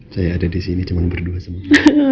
saya ada disini cuman berdua semua